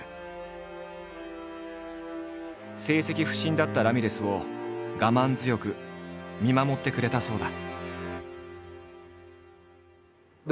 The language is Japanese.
成績不振だったラミレスを我慢強く見守ってくれたそうだ。